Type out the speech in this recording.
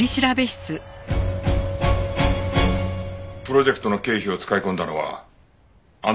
プロジェクトの経費を使い込んだのはあんただな？